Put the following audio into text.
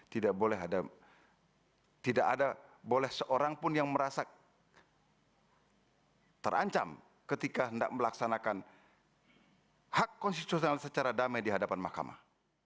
tidak boleh ada tidak ada boleh seorang pun yang merasa terancam ketika hendak melaksanakan hak konstitusional secara damai di hadapan mahkamah